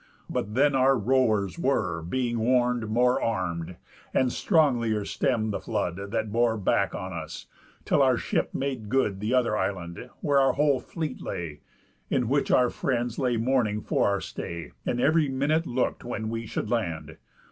But then our rowers were, Being warn'd, more arm'd, and stronglier stemm'd the flood That bore back on us, till our ship made good The other island, where our whole fleet lay, In which our friends lay mourning for our stay, And ev'ry minute look'd when we should land.